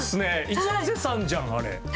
一ノ瀬さんじゃんあれ。